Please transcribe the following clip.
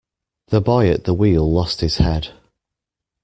The boy at the wheel lost his head.